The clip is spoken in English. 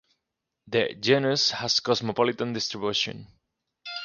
The genus has cosmopolitan distribution.